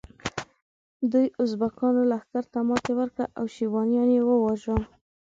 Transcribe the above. دوی ازبکانو لښکر ته ماته ورکړه او شیباني یې وواژه.